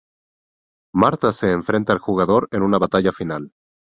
Martha se enfrenta al jugador en una batalla final.